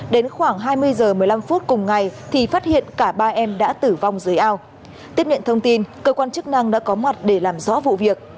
đến khoảng hai mươi h một mươi năm phút cùng ngày thì phát hiện cả ba em đã tử vong dưới ao tiếp nhận thông tin cơ quan chức năng đã có mặt để làm rõ vụ việc